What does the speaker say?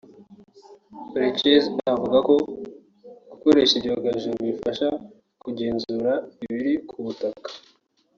Holecz avuga ko gukoresha ibyogajuru bifasha kugenzura ibiri ku butaka